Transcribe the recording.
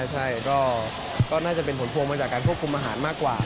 ใช่ก็น่าจะเป็นผลพวงมาจากการควบคุมอาหารมากกว่า